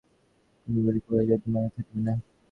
কমলা ভীতকণ্ঠে কহিল, তুমি এখানে থাকিবে না?